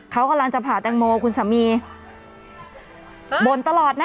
เขากำลังจะผ่าแตงโมคุณสามีบ่นตลอดนะ